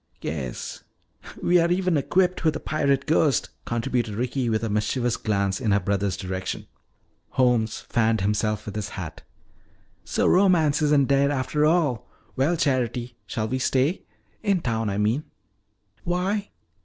"Yes, we are even equipped with a pirate ghost," contributed Ricky with a mischievous glance in her brother's direction. Holmes fanned himself with his hat. "So romance isn't dead after all. Well, Charity, shall we stay in town I mean?" "Why?"